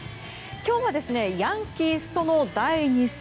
今日は、ヤンキースとの第２戦。